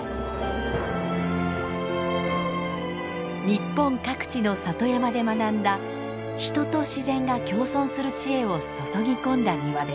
日本各地の里山で学んだ人と自然が共存する知恵を注ぎ込んだ庭です。